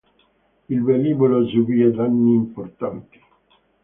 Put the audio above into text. Il velivolo subì danni importanti.